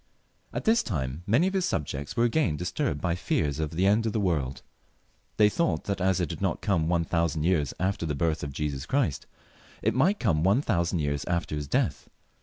At this time many of his subjects were again disturbed by fears of the end of the world. They thought that as it had not come one thousand years aft^r the birth of Jesus Christ, it might come one thousand years after His death.